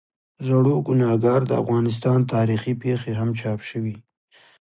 زړوګناهکار، د افغانستان تاریخي پېښې هم چاپ شوي.